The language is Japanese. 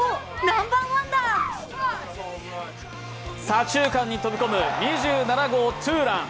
左中間に飛び込む２７号ツーラン。